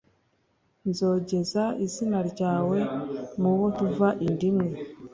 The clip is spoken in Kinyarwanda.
Nzogeza izina ryawe mu bo tuva inda imwe